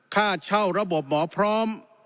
ค่าเช่าระบบหมอพร้อม